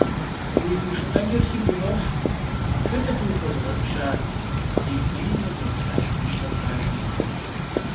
Уи гуэшыкӏэр сигу ирохь, хэт абы ухуэзыгъэӏущар? - ней-нейуэ еплъащ мыщэр бажэм.